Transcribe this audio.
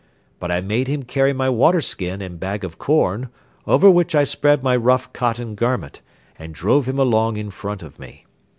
But I made him carry my water skin and bag of corn, over which I spread my rough cotton garment, and drove him along in front of me.